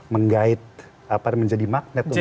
menggait apa menjadi magnet